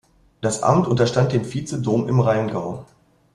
Das Amt unterstand dem Vizedom im Rheingau.